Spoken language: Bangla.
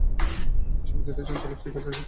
সমিতিটি আঞ্চলিক এবং জাতীয় শিক্ষা কাঠামোর কাজ করে।